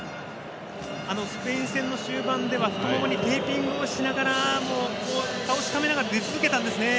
スペイン戦の終盤では太ももにテーピングをしながら顔をしかめながらも出続けたんですね。